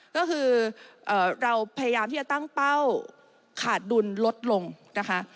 ก็คือเราพยายามที่จะตั้งเป้าขาดดุลลดลงนะคะ